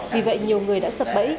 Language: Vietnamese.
vì vậy nhiều người đã sập bẫy